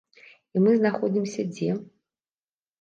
І мы знаходзімся дзе?